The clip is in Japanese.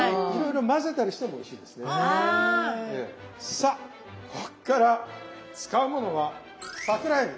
さあここから使うものは桜えび。